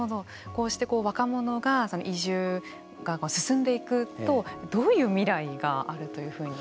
こうして、こう若者が移住が進んでいくとどういう未来があるというふうに。